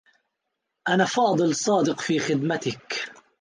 أنا فاضل صادق في خدمتك.